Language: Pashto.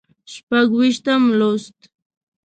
شپږ ویشتم لوست